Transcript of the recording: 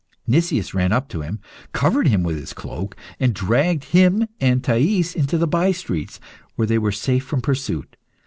Nicias ran up to him, covered him with his cloak, and dragged him and Thais into by streets where they were safe from pursuit.